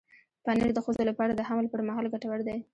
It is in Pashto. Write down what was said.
پنېر د ښځو لپاره د حمل پر مهال ګټور دی.